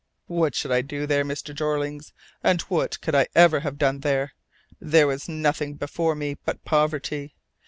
"What should I do there, Mr. Jeorling, and what could I ever have done there? There was nothing before me but poverty.